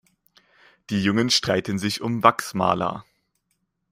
Die Jungen streiten sich um Wachsmaler.